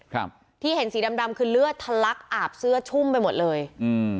ครับที่เห็นสีดำดำคือเลือดทะลักอาบเสื้อชุ่มไปหมดเลยอืม